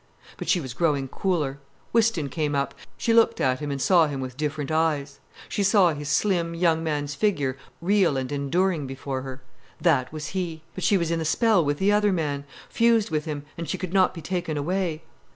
But she was growing cooler. Whiston came up. She looked at him, and saw him with different eyes. She saw his slim, young man's figure real and enduring before her. That was he. But she was in the spell with the other man, fused with him, and she could not be taken away.